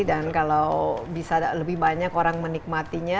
dan kalau bisa lebih banyak orang menikmatinya